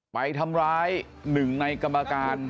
ไปทำร้ายหนึ่งในกรรมการ